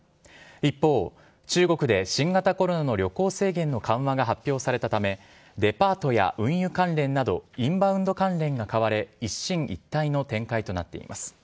一方、中国で新型コロナの旅行制限の緩和が発表されたためデパートや運輸関連などインバウンド関連が買われ一進一退の展開となっています。